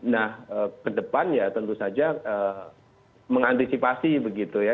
nah ke depan ya tentu saja mengantisipasi begitu ya